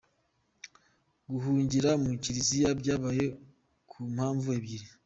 Guhungira mu Kiliziya, byabaye ku mpamvu ebyiri.